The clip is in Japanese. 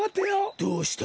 どうした！？